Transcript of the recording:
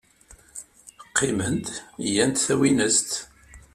Qqiment, gant tawinest.